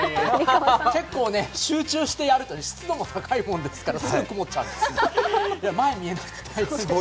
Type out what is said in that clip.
結構、集中してやると湿度も高いものですからすぐ曇っちゃうんです、前、見えなくて。